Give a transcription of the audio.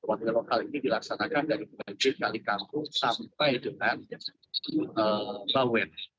one way local ini dilaksanakan dari kekalikantung sampai dengan bawen